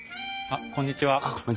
あっこんにちは。